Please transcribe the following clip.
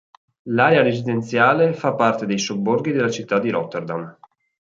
L'area residenziale fa parte dei sobborghi della città di Rotterdam.